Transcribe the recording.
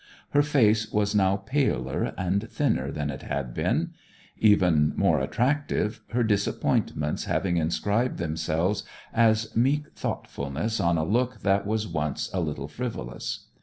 Her face was now paler and thinner than it had been; even more attractive, her disappointments having inscribed themselves as meek thoughtfulness on a look that was once a little frivolous.